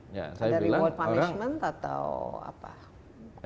ada reward punishment atau apa